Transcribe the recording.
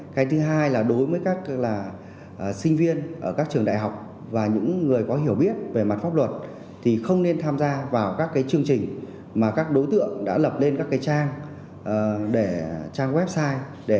cái thứ hai là đối với các sinh viên ở các trường đại học và những người có hiểu biết về mặt pháp luật thì không nên tham gia vào các chương trình mà các đối tượng đã lập lên các trang để trang website